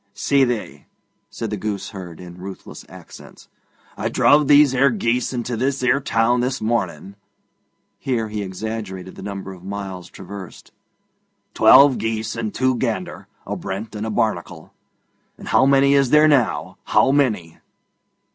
'Sithee!' said the gooseherd in ruthless accents, 'I druv these 'ere geese into this 'ere town this morning.' (Here he exaggerated the number of miles traversed.) 'Twelve geese and two gander a Brent and a Barnacle. And how many is there now? How many?'